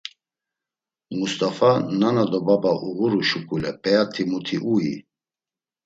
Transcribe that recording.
“Must̆afa, nana do baba uğuru şuǩule peyat̆i muti ui?”